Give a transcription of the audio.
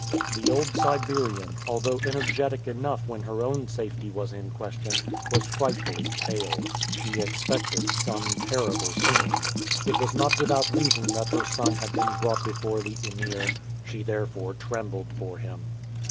The old Siberian, although energetic enough when her own safety was in question, was frightfully pale. She expected some terrible scene. It was not without reason that her son had been brought before the Emir. She therefore trembled for him.